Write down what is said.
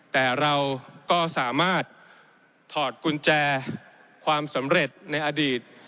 แต่เราก็สามารถถอดกุญแจความสำเร็จในอดีต